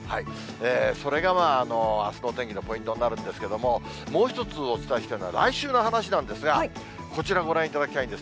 それがあすの天気のポイントになるんですけれども、もう一つお伝えしたいのは、来週の話なんですが、こちらご覧いただきたいんです。